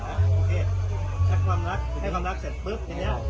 นะโอเคชัดความรักให้ความรักเสร็จปึ๊บยังไง